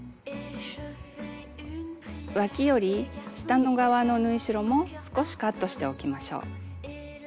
わきより下の側の縫い代も少しカットしておきましょう。